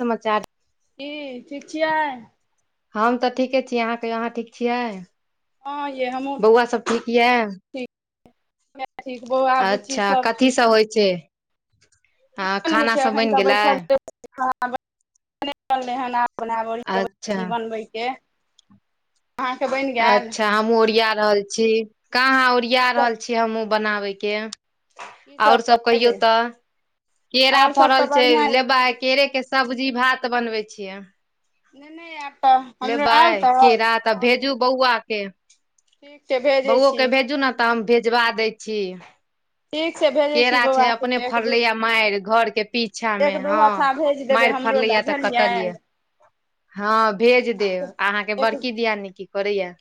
समाचार की ठीक छियै हम तऽ ठीके छी अहाँके अहाँ ठीक छियै हँ यय हमहुँ आ सब ठीक य ठीक बौआ बुच्ची अच्छा कथी ठीक सब होइ छै हं किछो नहि होइ खाना छै सब एखन बनि तऽ गेलै अच्छा [inaudible] अहाँके बनि गेल अच्छा हमहूँ ओरिया रहल छी छी कहाँ ओरिया की सब रहल छी हमहुँ बनाबै के की ओर सब कहियौ बनेबै तऽ केरा आओर सब तऽ फड़ल छै बढ़िआँ यऽ लेबा केरे के सब्जी भात बनबे छियै नेने एब लेबइ केरा तऽ भेजू बौआ के ठीक छै भेजै बौओ छी के भेजू ने तऽ हम भेजबा दै छी ठीक छै भेजै छी केरा छै बौआके अपने एक दू फरलेया माइर घर के पीछा एक मे दू हँ हथा भेज देबै माइर हमरो फड़लै लए या तऽ बुझलियै कटल यऽ हँ भेज एक देब अहाँके एक बड़की दिया ने की करैया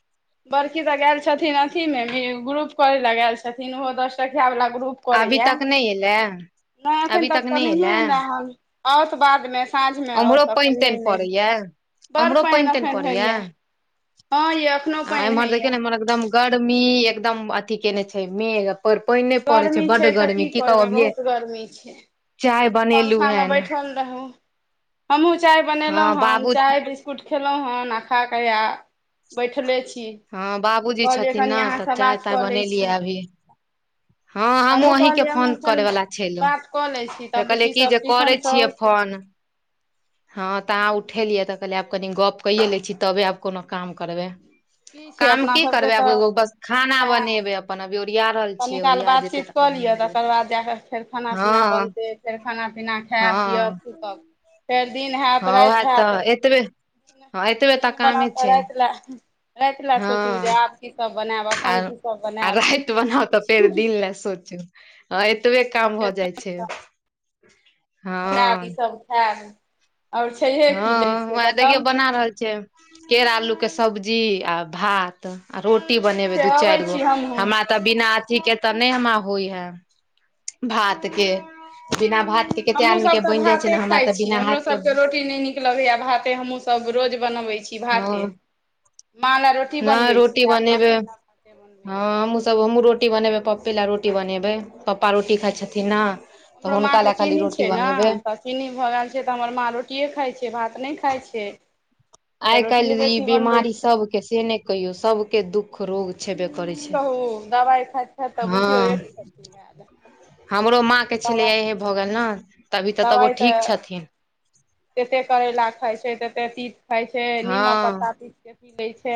बड़की तऽ गैल छथिन अथी मे ग्रुप करे ले ग छथिन ओहो दस टकिया वला ग्रुप करे अभी या तक नहि एलै नहि एखन तक तऽ नहि आओत बादमे साँझ में आउ ओम्हरो पानि तऽखन ले तानि ले पड़ैया बड़ ओम्हरो पानि तानि एखन पड़ैया होइएा हँ य आ एम्हर देखियौ ने एम्हर एकदम गर्मी एकदम अथी केने छै मेघ पर पानि नहि पड़ै गर्मी बड्ड छै तऽ की गर्मी कहू करबै अभिये बहुत गर्मी छै चाय बनेलु पंखा में हेन बैठल रहु हमहुँ चाय हँ बनेलहुॅं हन बाबू चाय बि ककुट खेलहुँ हँ नाखा क आा बैठले छी हँ तऽ बाबूजी कहलियै छथिन कनि ने तऽ अहाँस चाय बात ताय कऽ लै छी बनेलियै अभी हँ हमू हमहूँ अहींके कहलियै हम फोन एखन करे वला छेलहुँ बात कऽ लै छी फे तऽ कहलियै बुच्ची की सब जे करे ट्यूशन सँ छियै औतै फोन हँ तह उठे लियै तऽ कहलियै आब कनि गप कइए लै छीय तबे आब कोनो काम करबै की छै काम अपना की सबके करबै आब तऽ एगो बस खाना वएह बनेबे अपन अभी ओरिया रहल कनी छियै काल ओरिया जेतै बातचीत तऽ कऽ लिअ बनेबै तकर बाद जा कऽ फेर खाना पीना हँ बनतै फेर खाना पीना खैब पियअब हँ पूकब फेर दिन होयत हँ उएह राति तऽ होयत एतबे हँ एतबे तऽ दिन बनल कामे तऽ छै राति लए राति लए हँ सोचू जे आब की सब बनैब आर आ राइत बनाउ तऽ फेर दिन लए सोचू हं एतबे काम भऽ जाइ छै हँ ई सब खब हँ वएह देखियौ बना रहल छियै केरा आलू के सब्जी आ भात आ रोटी ठीक बनेबै छै दू अबै चारि गो छी हमहूँ हमरा तऽ बिना अथी के तऽ नय हमरा होइ है भात के बिना भात के कते हमहुँ आदमी सब के तऽ बनि जाइ छै ने भाते हमरा खाय तऽ छी बिना हमरो हाथ के सबके रोटी टी नहि नीक लगै भाते हम सब रोज बनाै छी भाते हँ म नहि रोटी बनेबै बनबै हँ छी तब हमहूँ रोटी बनेबै पप्पे लए रोटी बनेबै पप्पा रोटी खाइ छथिन न तऽ हुनका लए खाली रोटी बनेबै चिन्नी भऽ गैल छै तऽ हमर माँ रोटिे खाइ छै भात नहि खाइ छै तऽ आइ रोटियो काल्हि ई बेसी बनबै बिमारी छियै सबके से नय कहियो सबके दुःख रोग छेबे करै की छै कहू दबाई खाइत खाइत तऽ बुझियौ हँ एक छथिन भएल हमरो माँके छलैए एहे भऽ गैल न तभी तऽ तबो ठीक छथिन तेते करैला खाइत छै ततेक तीित खाइत छै निीमक हँ पत्ता पीस कऽ पी लैत छै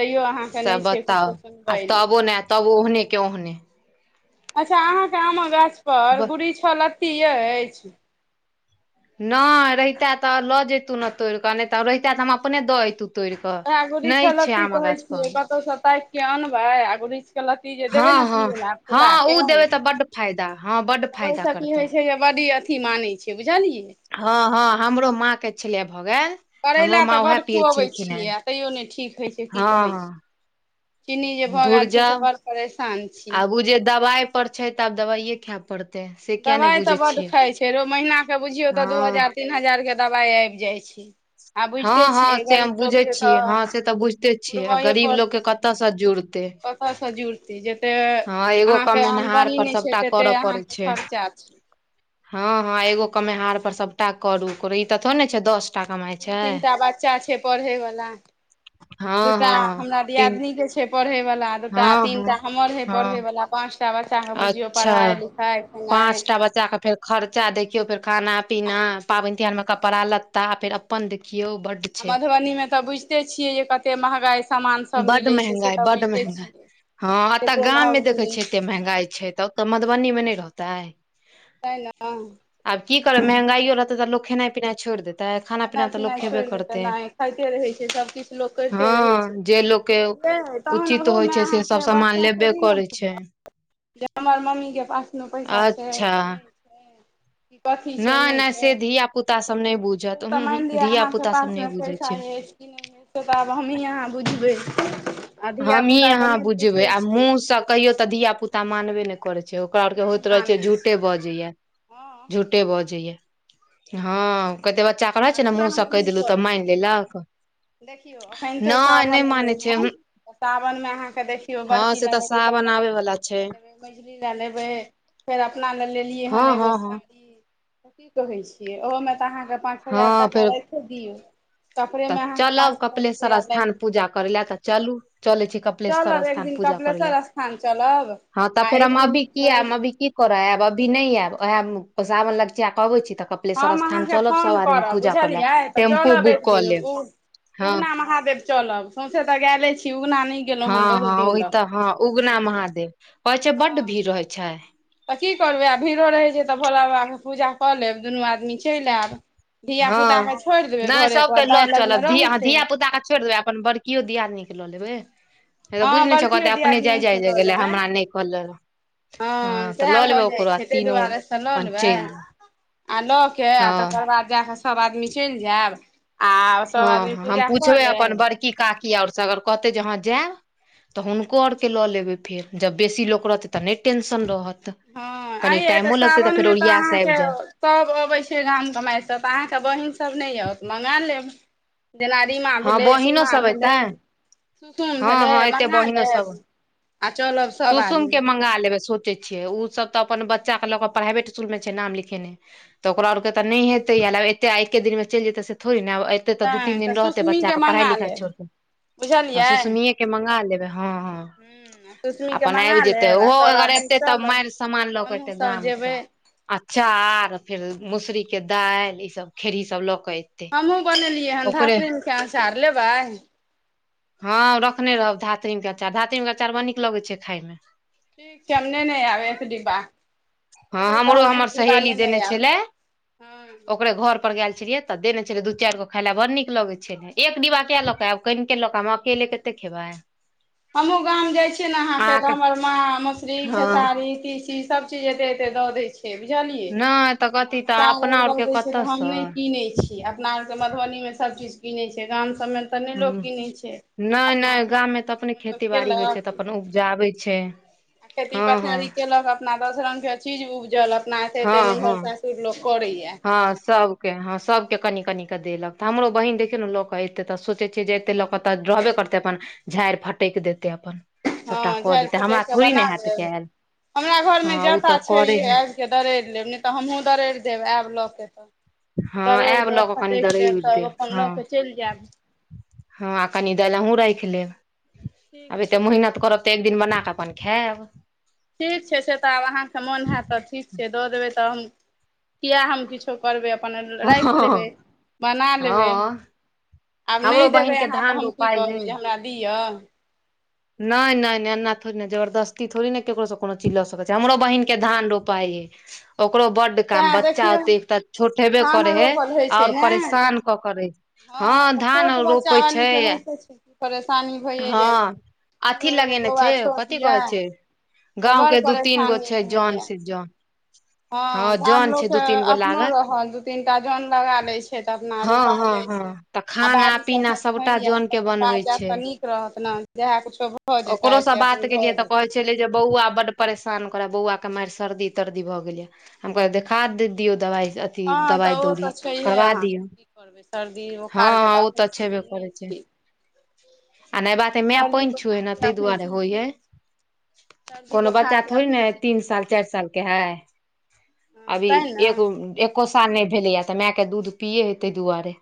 तैओ अहाँके से नय छै बताउ किछो आ सुनबै नहि तबो ने तब ओहने के ओहने अच्छा अहाँके आमक गाछपर गुड़ी छ लत्ती अछि नइ रहिता तऽ लऽ जैतू ने तोड़ि कऽ नहि तऽ ओ रहिता तऽ हम अपने दऽ ऐतु ओहे गुरुछक लत्ती कहे पर छियै कतहु से ताक के अनबै आ गुरछ क लत्ती जे देबे हँ ने हँ त फुला हँ ओ के देबै तऽ बड्ड फायदा हँ बड्ड फायदा ओहिस की करतै होइ छै जे बडी अथी मानै छै बुझलियै हँ हँ हमरो माँ के छलै य भऽ गेल तऽ हमरो करैला तऽ माँ उएह बड्ड पियै खुअबै छलखिन हेँ छियै आ तैयो नय ठीक होइ छै की कहै छै हँ चीनी जे हँ भऽ धुर गैल छै से जाउ बड़ परेशान छी आब ओ जे दबाइ पर छै तऽ आब दवाइए खै पड़तै से किया नहि बुझै छियै फेरो महिनाके बुझियौ तऽ दू हँ हजार तीन हजारके दबाइ आइब जाइ छै आ हँ बुझिते हँ छियै से हम गरीब बुझै लोकके तऽ छीयै हँ से तऽ बुझिते छियै आ गरीब लोकके कतयसँ जुड़त [unintelligible] त इ जते हँ एगो अहाँके कमेनहार आमदनी पर नइ छै सबटा तते करऽ पड़ै अहांके छै खर्चा छै हँ हँ एगो कमेहार पर सबटा करू करैत ती तीन तीन तीन टा बच्चा छै पढ़यवला हँ दूटा हँ हमरा तीन दियादनीके छै पढ़यवला दूटा हँ तीन हँ टा हमर है हँ पढ़यवला पाँच टा बच्चाके बुझियौ पढ़ाई लिखाइ खेनाइ बच्चाके फेर खर्चा देखियौ फेर खाना पीना पाबनि तिहार में कपड़ा लत्ता फेर अपन देखियौ बड्ड आ छै मधुबनी में तऽ बुझिते छियै जे कते महगाई सामानसभ बड मिलैत छै महंगाई से तऽ बड बुझिते महंगाई छियै हँ ए तऽ कतेक गाममें महग देखै छियै मिलैत एते छै महंगाइ छै तऽ ओ तऽ मधुबनीमे नहि रहतै तैं ना आब की करब महंगाईयो रहते तऽ लोक खेनाइ पिनाइ छोड़ि देतै खाना पीना केेनाइ तऽ लोक तेनाइ खेबे छोड़ि दे करतै तेना खाइते रहै छै सबकिछ लोक करिते हँ रहै छै जे लोकके आ तहन उचित ओहो होइ में छै से सब अहाँके सामान बच्चा लेबे थोड़े ने करै छै हुत जे हमर मम्मीके पास में पैसा छै कि नहि कि कथी छै नय नहि नय छै से धिय पुता सब नहि बुझ ओ तऽ मानि लिअ अहाँके पास में पैसा छै अछि कि नहि से तऽ आब हमहीँ अहाँ बुझबै हमही धियापुता तऽ अहाँ नहि बुझबै बुझै आ छै मुँह सऽ कहियो तऽ धियियापुता मानबे नहि करैत छै ओकरा आओरके नहि होइत रहैत छै मानै झूठे बजैए हँ झूठे बजैया हँ कते बच्चा रहै आ छै ने मुँह धियान सब कहि देलहुँ तऽ करब मानि लेलक देखियौ एखन ते नहि नहि साबन एलै मानै छै हँ त सावन में अहाँके देखियौ हँ बड़की से लए तऽ लेबै सावन कलकत आबे वाला छै लए लेबै मैझली लए लेबै फेर अपना लए लेलियै हँ हन हँ एगो हँ साड़ी की कहै छियै ओहोमे तऽ अहाँके पाँच हजार हँ टाका फेर राति दियौ कपड़े तऽ में अहाँके पाँच चलब हजार कपिलेश्वर रुपैआ स्थान लैत पूजा करै लए तऽ चलू चले छै कप चलब एक दिन कपलेश्वर स्थान चलब हँ तऽ आ फेर एक दिन अभी की कहै क भी क करऽ एब अभी नहि आयब ओह सावन लगच आ कहबै छी तऽ कपिलेश्वर हम स्थान अहाँके चलब सब फोन आदमी करब पूजा करै लए बुझलियै तऽ टेम्पू चलब बुक एक कऽ दिन लेब उ हँ उगना महादेव चलब सौंसे तऽ गैले छी उगना नीक हँ हँ ओहि तऽ हँ उगना महादेव कहै छै बड्ड हँ भीड़ होय छै तऽ की करबै आब भीड़ो रहैत छै तऽ भोला बाबाके पूजा कऽ लेब दुनू आदमी चलि एब हँ नहि सबके लऽ दाइ चलब लगमे ध रहतै धिया पुता के छोइड़ देबै अपन बड़ किओ दियदनीके लऽ लेबै से तऽ बुझ हँ नहि छ कहते बड़कियो अपने दियादनी जाय से जाय लऽ गेले लेबै हमरा नय कहल रह हँ तऽ सएह लऽ भऽ लेबै जाइ ओकरो आ छै ताहि तीनू दुआरे से लऽ अपन लेबै चलि जायब आ लऽ के आ हँ तकर बाद जा कऽ सब आदमी चैल जायब आ हँ सभ आदमी हँ हम पूजा कऽ पुछबै लेब अपन बड़की काकी आओर सगर कते जहाँ जायब तऽ हुनको आरके लऽ लेबै फेर जब बेसी लोक रहतै तऽ नय टेंशन रहत हँ कनि आइये तऽ टाइमो लगतै फेर सावनमे तऽ ओरिया से आबि अहाँके जायब सब अबै छै गामके मइसँ तऽ अहाँके बहिन सब नहि यऽत मँगा लेब जेना रीमा हँ भेलै बहिनो सीमा सब भेलै एतै सुसुम हँ भेलै हँ एते मंगा बहिनो लेब सब आ चलब सभ आदमी टी छियै ओसभ तऽ अपन बच्चाक के लऽ कऽ प्राइवेट इसकुल मे छै नाम लिखेने तऽ ओकरा आरके त नय हेतै य ल एत एके दिनमे चल जेतै से थोड़ी ने आब एते तऽ दू नहि तीन दिन रहतै बच्चा सुसमीके के पढ़ाई मंगा लिखाई लेब छोड़ बुझलियै सुसमिये के मंगा लेबै हँ हँ हूँ सुसमीके अपन आइब मंगा जेतै लेब आ ओहो सभ अगर आदमी एतै तब चलब मारि समान लऽ कऽ हमहूँ एतै सभ जेबै गामसँ अचार फेर मसुरी के दाइल ई सब खेड़ही सब ल क एतै हमहुँ बनेलियै हन ओकरे धातरीम के अचार लेबै हँ रखने रहब धातरीम के अचार धातरी के अचार बड़ नीक लगैत छै खायमे ठीक छै हम नेने आब एक िबा हँ हमरो हमर सहेली देने आयब छलै हँ ओकरे घर पर गैल छलियै तऽ देने छलै दू चाइर गो खाय ला बड़ नीक लगे छलै एक डि्ा लक आब केलक आमे अकेले कते खेबै [inaudible] हमहुँ गाम जाइ छियै ने अहाँके तऽ हमर माँ मोसरी हँ खेसारी तीसी सब चीज एते एते दऽ दै छय छै बुझलियै नहि तऽ कथी आ तऽ चाउर अपना आर आरके अबै छै तऽ हम कतऽसँ नइ कीनै छी अपना आरके मधुबनी में सभ चीज किनै छै गाम सभमे तऽ नहि लोक हूँ किनै छै नहि अपना नहि आरके गाम मे तऽ अपने खेती [inaudible] बाड़ी केलक होइ छै तऽ अपन उपजाबै छै आ खेती हँ हँ पथारी केलक अपना दस रंग के चीज उपजल अपना एते एते नहैर सासुर लो करेया हं सब के हं सब के कनी कनी कऽ देलक त हमरो बहिन देखियौ न ल क एते त सोचै छियै जे एते ल क ओ तऽ रहबे करतै अपन झाड़ि फटकि देतै अपन हँ सबटा कऽ झाड़ि देतै फटकि हमरा कऽ थोड़ी बना ने हैत लेब कैल हमरा घरमे हँ ओ जाँता तऽ करे छैहे आयब के दरैरि लेब नहि तऽ हमहुँ दरैरि देब आयब लऽ के तऽ हँ दरैरि आयब लऽ देब कऽ कनि फटकि दरइ देब उरि तब अपन हँ लऽ कऽ चैल जायब हँ आ कनी दालि अहुं राखि लेब ठीक आब एते छै मेहनत करब तऽ एक दिन बनाकऽ अपन खेब ठीक छै से तऽ आब अहाँके मोन होयत ठीक छै दऽ देबै तऽ हम किया हम किछ करबै अपन राखि लेबै हँ बना लेबै हँ आब नहि हमरो बहिन देबै के अहाँ तऽ धान हम की रोपाइ हइ कहबै जे हमरा दिअ नहि नहि नहि एना थोड़े ने जबरदस्ती थोड़ी ने ककरोसँ कोनो चिज़ लऽ सकैत छै हमरो बहिन के धान रोपाइ है ओकरो बड्ड काम सएह बच्चा देखियौ ओते एक तँ छोट हेबे धान करै है रोपल होइ छै आओर ने परेशान कऽ क रैख हँ तऽ छोट बच्चा वाली के होइते छै परेशानी भइए जाइ छै हँ हमरो अथी एगो लगेने बौआ छै छोट कथी कहै यए छै तऽ गाँंव बड़ के दू तीन गो परेशानी छै जन रहैया से जन हँ हँ त आब जन छै दू लोकके तीन गो अपनो लागल रहल दू तीनटा जोन लगा लै छै तऽ अपना हँ रोपा हँ हँ जाइत छै तऽ आ खाना बारिश पीना अखन सभटा होइये जन के तऽ रोपा बनबै जैत छै तऽ नीक रहत ने जेहै कुछो भऽ जेतै से अपन भऽ जेतै छेलै जे बौआ बड्ड परेशान करै बौआ के मारि सर्दी तर्दी भऽ गेलैया हम कहलियै देखा दियौ दवाइ से अथि अथी हँ दबाइ तऽ ओ दौरी तऽ छैहे करबा दियौ अहाँके की करबै सर्दी हँ बोखारके हँ ओ एखन तऽ छेबे सीजने करै छै आ नैबाते हय मे सर्दी पानि छुऐ हय ने बोखारके तैं एखन दुआरे होइ सीजने हय छै सर्दी कोनो बच्चा बोखारके थोड़े एखन ने हय तीन सीजने साल छै चारि साल के हय हँ अभी तैँ एगो ने एको साल नहि भेलैए तऽ मायके दूध पिये हे तैहि दुआरे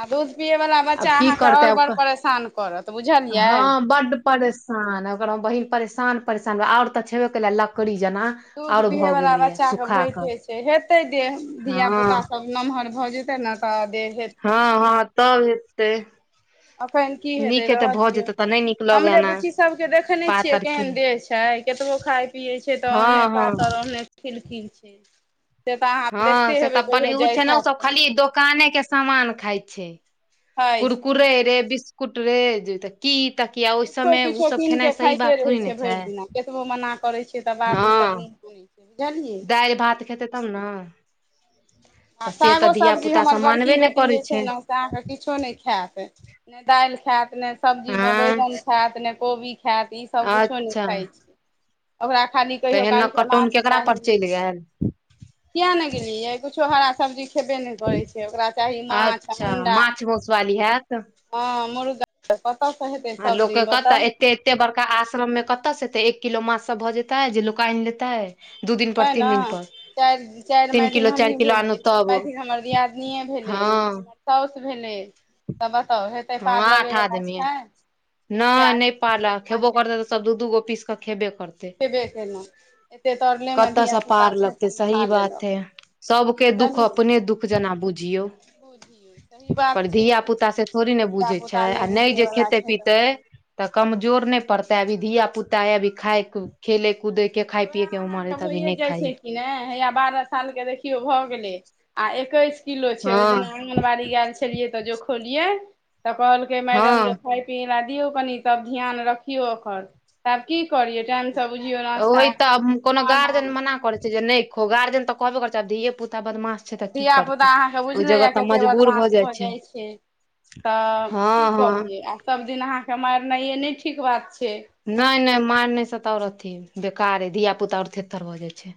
आ दूध पियए वला आब बच्चा की अहाँके करतै आओर बड़ आब परेशान करत बुझल हँ बड्ड परेशान ओकरा मे बहिन परेशान परेशान और तऽ छेबे करलै लकड़ी जेना दूध आओर पीए भऽ वला गेलैया बच्चा के सुखा कऽ होेइते छै हेतै देह धिया हँ पुता सब नम्हर भऽ जेते ने तऽ देह हेतै हँ हँ तब हेतै अखैन की हैते नीक हेतै रह भऽ दियौ जेतै तऽ नहि नीक लगै हमरे एना बुच्ची सब के देखै नै पात छियै आर केहन खेले देह छै केतबो खाय पिये छै तऽ हँ ओहने हँ पातर ओहने खिलखिल छै तऽ अहाँ हँ देखते से हेबै तैपर कहियो [unintelligible] छै जाइत न उ हैत सब तऽ खाली दो दोकाने के सामान खाय छै हइ कुरकुरे रे बिस्कुट रे की तकिया ओहि किछो सबमे उ सब खेनाइ सही बात थोड़े ने छै केतबो मना करै छियै तऽ बात हँ ई सभ नै बुझै छै बुझलियै दालि भात खेतै तब ने आ तऽ से सागो तऽ धिया सब्जी पुता हमर सब बड़की मानबे नहि बेटी करै जे छै ने अहाँके किछो नहि खैत नै दालि खैत नै सब्जी मे आँ बैगन खैत नै कोबी खैत खायत ई सब किछो नहि अच्छा खाइत छी ओकरा खाली कहियो कालके माछ चाही इहै किया ने गेलियै कुछो हरा सब्जी खेबे नहि करै छै से ओकरा चाही माछ आ अच्छा अण्डा माछ मौसवाली हैत हँ मुर्गा तऽ कतयसँ हेतै आ लोक के सबदिन कतऽ बताउ एते एते बड़का आश्रम मे कत से एतै एक किलो माछ सँ भऽ जेताै जे लोक आनि लेतै दू दिन पर तैँ तीन दिन ने पर चारि चारि तीन मायधिन किलो चारि हमहीं किलो आनू भेलियै तीन तब मायधिन हमर दियादनियें भेलै हँ साउस भेलै तऽ बताउ हेतै पार लगै वला छै जे एतेक नय नय आदमी पार रोज लाग खेबो माछे करते तऽ मासु सब दू दूगो पीस कऽ खेबे करतै खेबे केलहुँ एतेक तरलेमे कत से धियापुता पार छै लगतै अपन सही खा बात लेलक है सबके दुःख बुझलियै अपने दुःख जेना बुझियौ बुझियौ सही पर बात छै धिया कि पुता से थोड़ी ने बुझै छै धियापुता आ नहि जे बुझयवला खेते छै पीते तऽ कमजोर नै पड़तै अभी धिया पुता अइ अभी खाय खेले कूदे के खाइ पियके उमर है तऽ अभी नै खाइ है नहि हैया बारह साल के देखियौ भए गेलै आ एकैस किलो छै ओहि दिना हँ आगनबाड़ी गैल छलियै तऽ जो खोलियै तऽ कहलकै मैडम जे हँ पिय ले दियऔ कनि तब ध्यान रखिऔ ओकर त आब की करियऔ टाइम से बुझियौ नास ओहि तऽ कोनो गार्जियन मना करे छै जे नहि खो गार्जियन तऽ कहबे करै छै आब धिये पुता बदमाश छै तऽ की धियापुता करतै आहाँके ओहि बुझलेए जगह तऽ कतेक मजबूर बदमाश जाइ भऽ जाइत छै तऽ हँ की हँ करियै आ सभदिन अहाँके मारनाइए नहि ठीक बात छै नहि नहि मार नहि सता आओर अथि बेकारे धिया पुता अर थेथर भऽ जाइ छै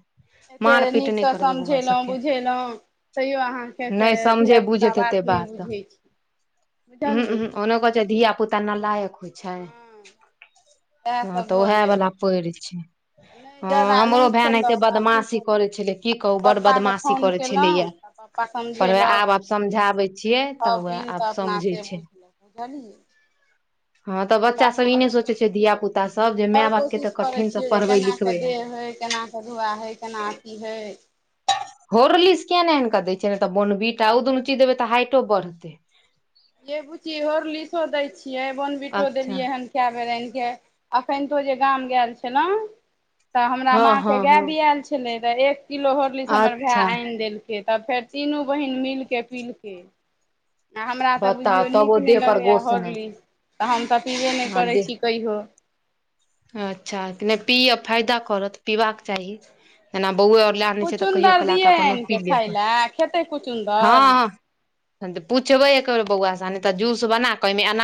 एते मार पीट नहि नीकस करबै बौआ समझेलहुँ सबके बुझेलहुँ तैयो अहाँके से नहि समझे धियापुता बात नहि बुझै छी अहं अहं ओने कहै छै धिया पुता नलायक होय छै हँ सएह हँ सब तऽ भऽ उहै जाय बला पड़ि छै नहि हँ जादा हमरो नहि भाइ एनाहिते खेलक तऽ आब की बदमाशी करब करै छलै की कहू बड पप्पाके बदमाशी फोन करै छलैया केलहुँ तऽ पप्पा पर आब आब समझाबै छियै तऽ वएह अपील आब तऽ अपना समझै से छै बुझलहु हँ तऽ बच्चा सब ई नै सोचे छै धिया बुझियौ पुता सब जे माय बाप कत्ते कठिन स पढ़बै लिखबै ह है केना कदुआ है केना कि ह होर्लिस केियाक आनि कऽ दै छै ने तऽ बोनबी टा ओ दुनू चीज देबै तऽ हाइटो बढ़त ये बुच्ची होर लिसो दै छियै बोनबिटो अच्छा देलिय हन कए बेर आनि केे अखइन तो जे गाम गेल छलौं तऽ हमरा हँ हँ माँके गै हँ बिआयल छलै तऽ एक किलो होरलीसँ हमर भाय अच्छा आन देल के तऽ फेर तीनू बहिन मिलके पीलके आ हमरा तऽ बताउ बुझियौ तब नीक ओ नहि देह पर लगैए गोस नहि हॉर्लि तऽ हम तऽ पीबे नहि हँ करैत देह छी कहियो अच्छा कि नहि पीय फायदा करत पीबाक चाही जेना बौए आर लए त छै तऽ कहियो चुकुन्दर क ल क दियै अपन आनि पी कऽ ले खाय लए खेतै चुकुन्दर हँ तऽ पूछबै एक बेर बौआ स तऽ जूस बना क एना